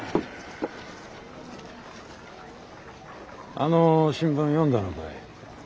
あの新聞読んだのかい？